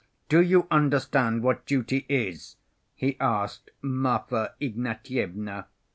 "Do you understand what duty is?" he asked Marfa Ignatyevna.